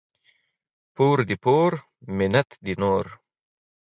پور دي پور ، منت دي نور.